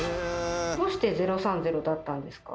どうして「０３０」だったんですか？